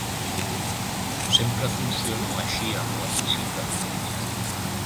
Sempre funciono així amb la música.